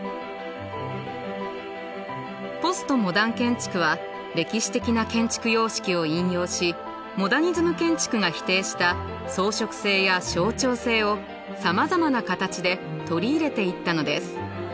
ポストモダン建築は歴史的な建築様式を引用しモダニズム建築が否定した装飾性や象徴性をさまざまな形で取り入れていったのです。